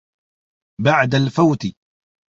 بَعْدَ الْفَوْتِ